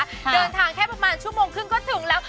เดินทางแค่ประมาณชั่วโมงครึ่งก็ถึงแล้ว